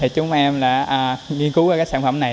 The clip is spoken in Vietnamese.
chúng em đã nghiên cứu sản phẩm này